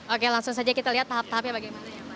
oke langsung saja kita lihat tahap tahapnya bagaimana